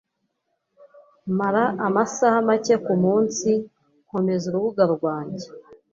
Mara amasaha make kumunsi nkomeza urubuga rwanjye.